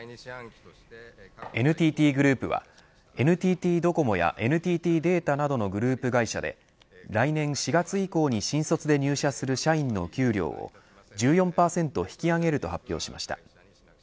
ＮＴＴグループはＮＴＴドコモやＮＴＴデータなどのグループ会社で来年４月以降に新卒で入社する社員の給料を１４％引き上げると発表しました。